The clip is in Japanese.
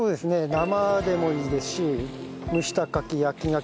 生でもいいですし蒸したカキ焼きガキ